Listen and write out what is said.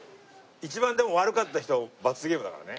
一番でも悪かった人は罰ゲームだからね。